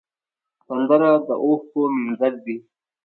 سندره د اوښکو مینځل دي